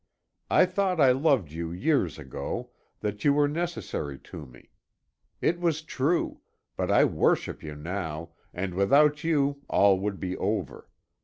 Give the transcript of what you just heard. I thought I loved you years ago, that you were necessary to me. It was true; but I worship you now, and without you all would be over.